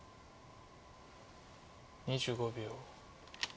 ２５秒。